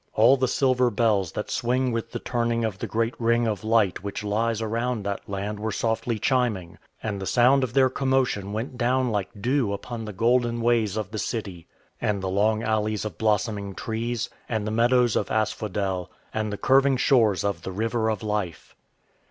All the silver bells that swing with the turning of the great ring of light which lies around that land were softly chiming; and the sound of their commotion went down like dew upon the golden ways of the city, and the long alleys of blossoming trees, and the meadows of asphodel, and the curving shores of the River of Life.